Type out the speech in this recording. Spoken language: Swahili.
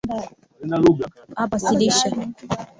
swala hili litaweza kutekelezwa na